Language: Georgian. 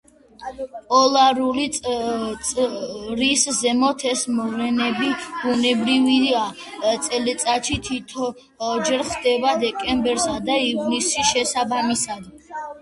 პოლარული წრის ზემოთ ეს მოვლენები, ბუნებრივია, წელიწადში თითოჯერ ხდება, დეკემბერსა და ივნისში შესაბამისად.